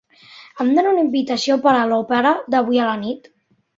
Em dona una invitació per a l'òpera d'avui a la nit?